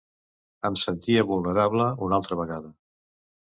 Em sentia vulnerable, una altra vegada.